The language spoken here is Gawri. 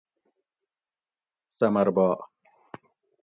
ثمر باغ